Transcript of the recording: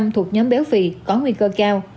sáu mươi thuộc nhóm béo phì có nguy cơ cao